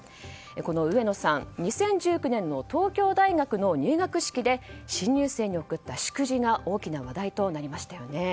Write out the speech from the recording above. この上野さん、２０１９年の東京大学の入学式で新入生に送った祝辞が大きな話題となりましたよね。